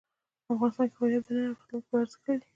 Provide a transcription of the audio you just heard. افغانستان کې فاریاب د نن او راتلونکي لپاره ارزښت لري.